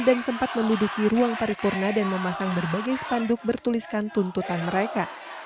dan sempat menduduki ruang paripurna dan memasang berbagai spanduk bertuliskan tuntutan mereka